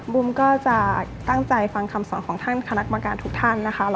บุ๋มก็จะตั้งใจฟังคำสอนของท่านคณะกรรมการทุกท่านนะคะ